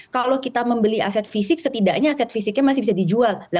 kalau kita membeli aset fisik setidaknya aset fisiknya masih bisa dijual